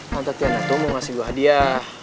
tante tiana tuh mau ngasih gue hadiah